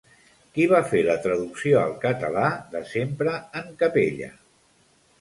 Qui va fer la traducció al català de Sempre en capella?